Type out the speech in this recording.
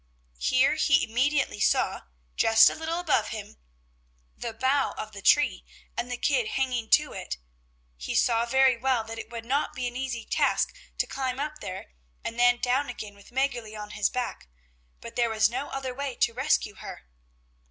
Here he immediately saw, just a little bit above him, the bough of the tree, and the kid hanging to it. He saw very well that it would not be an easy task to climb up there and then down again with Mäggerli on his back, but there was no other way to rescue her.